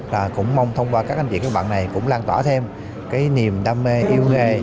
và cũng mong thông qua các anh chị các bạn này cũng lan tỏa thêm cái niềm đam mê yêu nghề